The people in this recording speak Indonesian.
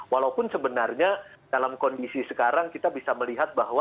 walaupun sebenarnya dalam kondisi sekarang kita bisa melihat bahwa